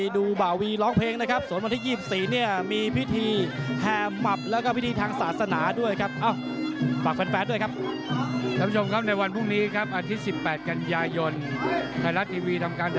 ดัมเบิ้ลน้อยครับเจริญเข้าหาไม่หยุดเลยครับ